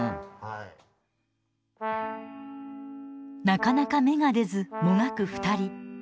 なかなか芽が出ずもがく２人。